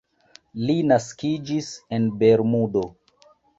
Li naskiĝis en Bermudo.